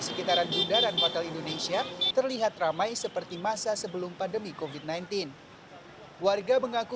sekitaran bundaran hotel indonesia terlihat ramai seperti masa sebelum pandemi kofit sembilan belas warga mengaku